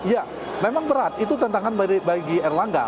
ya memang berat itu tantangan bagi erlangga